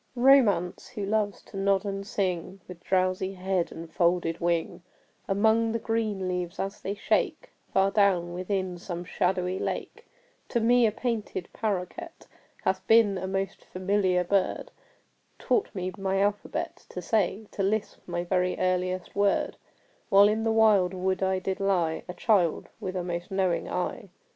Romance, who loves to nod and sing, With drowsy head and folded wing, Among the green leaves as they shake Far down within some shadowy lake, To me a painted paroquet Hath been a most familiar bird Taught me my alphabet to say To lisp my very earliest word While in the wild wood I did lie, A child with a most knowing eye.